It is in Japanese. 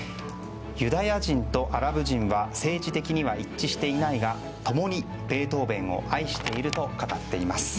ユダヤ人とアラブ人は政治的には一致していないが共にベートーベンを愛していると語っています。